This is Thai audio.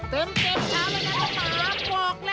เต็มเต็มชาวแล้วนะเจ้าหมา